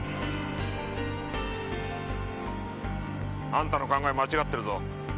あんたの考え間違ってるぞ。